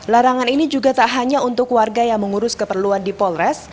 larangan ini juga tak hanya untuk warga yang mengurus keperluan di polres